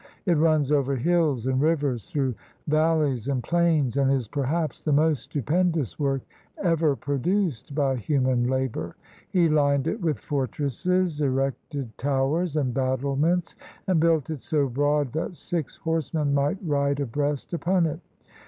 It runs over hills and rivers, through valleys and plains, and is perhaps the most stupendous work ever produced by human labor. He Hned it with fortresses, erected towers and battlements, and built it so broad that six horsemen might ride abreast upon it.